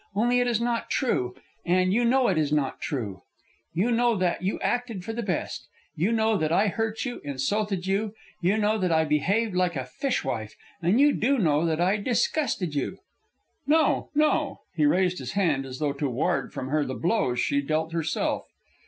"Only it is not true, and you know it is not true. You know that you acted for the best; you know that I hurt you, insulted you; you know that I behaved like a fish wife, and you do know that I disgusted you " "No, no!" He raised his hand as though to ward from her the blows she dealt herself.